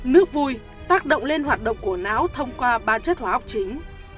nước vui tác động lên hoạt động của não thông qua ba chất hóa học chính